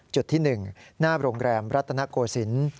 จุดที่๑หน้าโรงแรมรัตนโกศิลป์